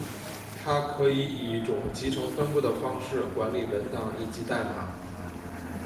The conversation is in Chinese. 它可以以一种集成分布的方式管理文档以及代码。